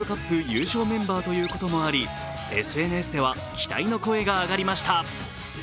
イニエスタ選手同様、２０１０年のワールドカップ優勝メンバーということもありＳＮＳでは期待の声が上がりました。